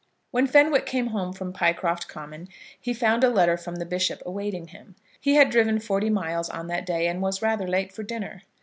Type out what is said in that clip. When Fenwick came home from Pycroft Common he found a letter from the bishop awaiting him. He had driven forty miles on that day, and was rather late for dinner.